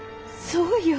そうよ。